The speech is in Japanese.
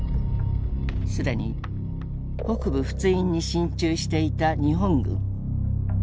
既に北部仏印に進駐していた日本軍。